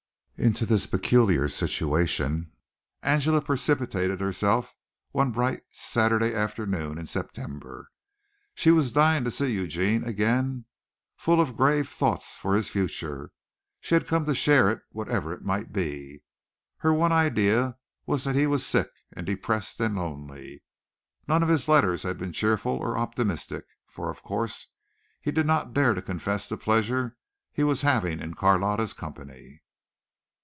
Into this peculiar situation Angela precipitated herself one bright Saturday afternoon in September. She was dying to see Eugene again. Full of grave thoughts for his future, she had come to share it whatever it might be. Her one idea was that he was sick and depressed and lonely. None of his letters had been cheerful or optimistic, for of course he did not dare to confess the pleasure he was having in Carlotta's company.